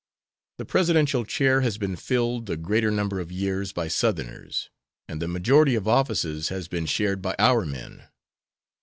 The Presidential chair has been filled the greater number of years by Southerners, and the majority of offices has been shared by our men.